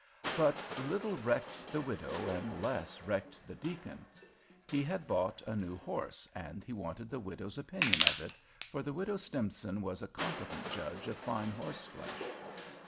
But little recked the widow and less recked the deacon. He had bought a new horse and he wanted the widow's opinion of it, for the Widow Stimson was a competent judge of fine horseflesh.